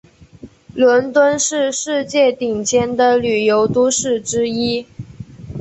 伦敦是世界顶尖的旅游都市之一。